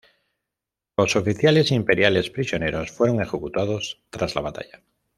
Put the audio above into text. Los oficiales imperiales prisioneros fueron ejecutados tras la batalla.